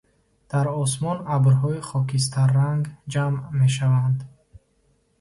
Дар осмон абрҳои хокистарранг ҷамъ мешаванд.